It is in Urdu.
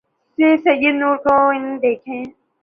سے سید نور کو ان دیکھے